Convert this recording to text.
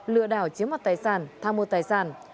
lừa đảo chiếm mặt tài sản tham mô tài sản